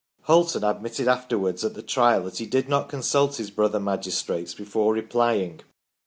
Hulton admitted afterwards at the Trial that he did not consult his brother magistrates before re plying.